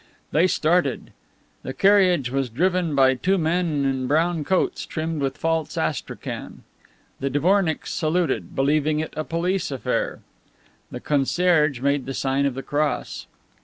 They started. The carriage was driven by two men in brown coats trimmed with false astrakhan. The dvornicks saluted, believing it a police affair. The concierge made the sign of the cross.